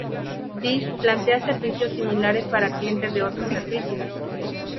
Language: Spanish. Dish planea servicios similares para clientes de otros servicios.